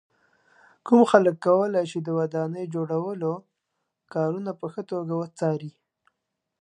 کوم خلک کولای شي د ودانۍ جوړولو کارونه په ښه توګه وڅاري.